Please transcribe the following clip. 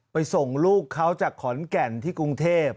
ส่งลูกเขาจากขอนแก่นที่กรุงเทพ